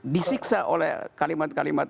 disiksa oleh kalimat kalimat